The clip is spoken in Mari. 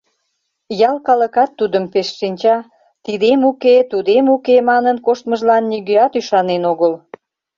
Ял калыкат тудым пеш шинча: «тидем уке, тудем уке» манын коштмыжлан нигӧат ӱшанен огыл.